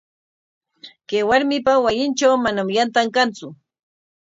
Kay warmipa wasintraw manam yantan kantsu.